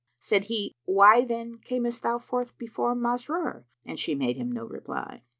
Said he, "Why then camest thou forth before Masrur?"; and she made him no reply.